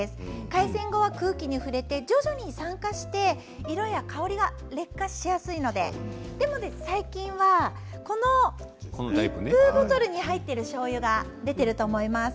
開栓後は空気に触れて徐々に酸化して色や香りが劣化しやすいのででも最近は密封ボトルに入っているしょうゆが出ていると思います。